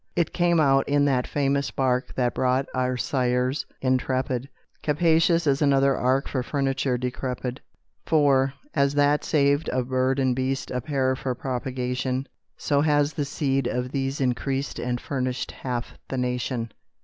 It came out in that famous bark That brought our sires intrepid, Capacious as another ark For furniture decrepit; For, as that saved of bird and beast A pair for propagation, So has the seed of these increased And furnished half the nation.